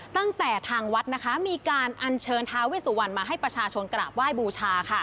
ตั้งแต่ทางวัดมีการอัญเชิญท้าเวสุวรรณมาให้ประชาชนกราบไหว้บูชา